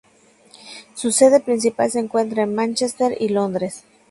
Su sede principal se encuentra en Mánchester y Londres.